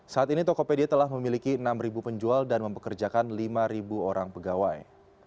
saat ini tokopedia telah memiliki enam penjual dan mempekerjakan lima orang pegawai